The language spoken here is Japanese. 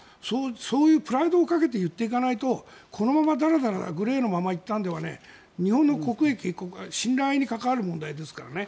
そういうプライドをかけて言っていかないとこのままだらだらグレーのまま行ったのでは日本の国益、信頼に関わる動きですからね。